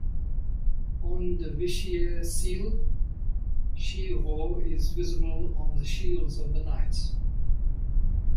On de Vichiers' seal, Chi Rho is visible on the shields of the knights.